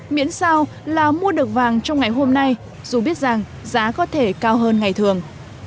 miễn sao là mua được vàng trong ngày hôm nay dù biết rằng giá có thể cao hơn ngày thường